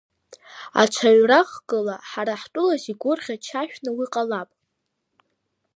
Аҽаҩра хкыла, ҳара ҳтәылаз игәырӷьа чашәны уи ҟалап!